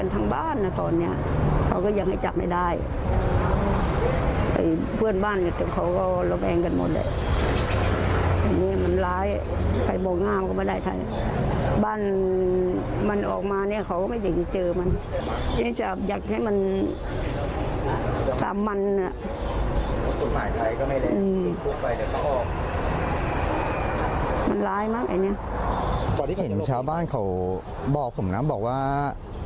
ตอนที่เห็นชาวบ้านเขาบอกผมนะบอกว่า